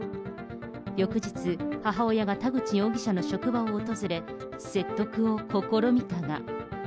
翌日、母親が田口容疑者の職場を訪れ説得を試みたが。